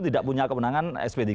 tidak punya kewenangan sp tiga